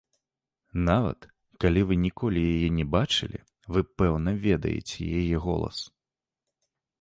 Нават калі вы ніколі яе не бачылі, вы пэўна ведаеце яе голас.